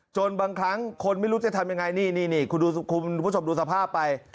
บางครั้งคนไม่รู้จะทำยังไงนี่คุณผู้ชมดูสภาพไป